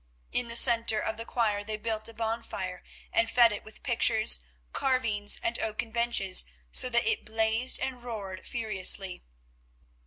In the centre of the choir they built a bonfire, and fed it with pictures, carvings, and oaken benches, so that it blazed and roared furiously.